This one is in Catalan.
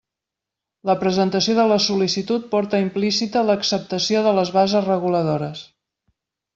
La presentació de la sol·licitud porta implícita l'acceptació de les bases reguladores.